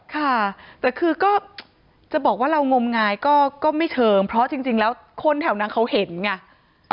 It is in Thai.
ค่ะแต่คือก็จะบอกว่าเรางมงายก็ไม่เชิงเพราะจริงแล้วคนแถวนั้นเขาเห็นไง